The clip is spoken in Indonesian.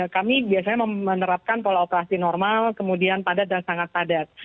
kami biasanya menerapkan pola operasi normal kemudian padat dan sangat padat